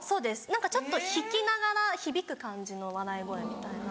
何かちょっと引きながら響く感じの笑い声みたいな。